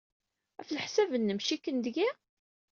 Ɣef leḥsab-nnem, cikken deg-i?